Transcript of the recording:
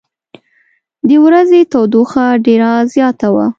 د ورځې تودوخه ډېره زیاته وه.